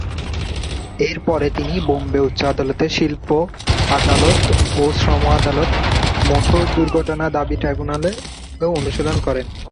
এর পরে তিনি বোম্বে উচ্চ আদালতে শিল্প-আদালত ও শ্রম আদালত, মোটর দুর্ঘটনা দাবি ট্রাইব্যুনালে অনুশীলন করেন।